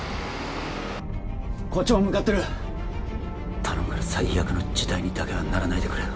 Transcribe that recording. こっちも向かってる頼むから最悪の事態にだけはならないでくれよ